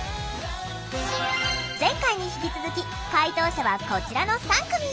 前回に引き続き解答者はこちらの３組。